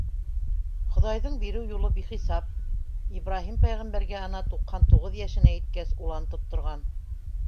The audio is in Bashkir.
Хоҙайҙың биреү юлы - бихисап, Ибраһим пәйғәмбәргә, ана туҡһан туғыҙ йәшенә еткәс улан тотторған.